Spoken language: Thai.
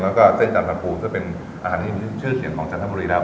แล้วก็เส้นจันทภูซึ่งเป็นอาหารที่ชื่อเสียงของจันทบุรีแล้ว